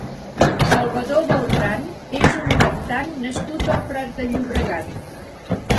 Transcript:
Salvador Beltrán és un cantant nascut al Prat de Llobregat.